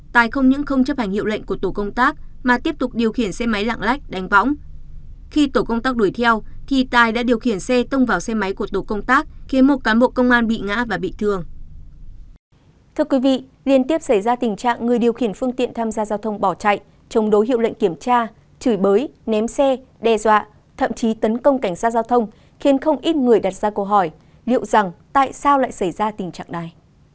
thưa quý vị liên tiếp xảy ra tình trạng người điều khiển phương tiện tham gia giao thông bỏ chạy chống đối hiệu lệnh kiểm tra chửi bới ném xe đe dọa thậm chí tấn công cảnh sát giao thông khiến không ít người đặt ra câu hỏi liệu rằng tại sao lại xảy ra tình trạng này